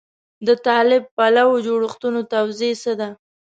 د طالب پالو جوړښتونو توضیح څه ده.